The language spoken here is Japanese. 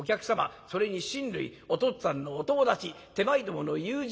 それに親類お父っつぁんのお友達手前どもの友人